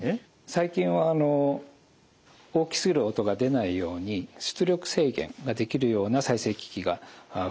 最近は大きすぎる音が出ないように出力制限ができるような再生機器が増えてます。